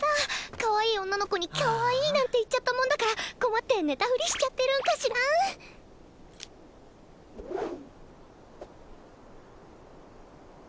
かわいい女の子に「キャワイイ」なんて言っちゃったもんだから困って寝たふりしちゃってるんかしらん？